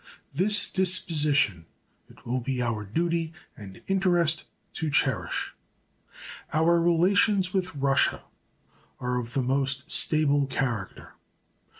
This disposition it will be our duty and interest to cherish. Our relations with Russia are of the most stable character.